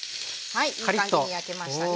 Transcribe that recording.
はいいい感じに焼けましたね。